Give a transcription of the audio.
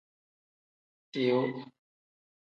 Tiu.